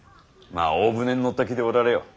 まあ大船に乗った気でおられよ。